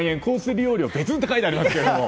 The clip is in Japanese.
利用料別！って書いてありますけど。